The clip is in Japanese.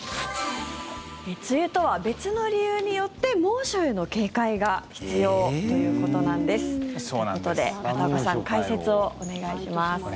梅雨とは別の理由によって猛暑への警戒が必要ということなんです。ということで、片岡さん解説をお願いします。